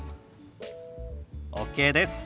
ＯＫです。